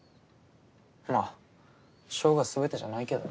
まあ賞がすべてじゃないけどな。